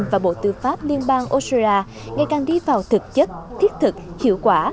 và bộ tư pháp liên bang australia ngày càng đi vào thực chất thiết thực hiệu quả